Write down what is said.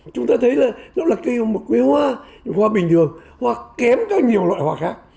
chúng ta thấy là nó là cây hoa bình thường hoa kém các nhiều loại hoa khác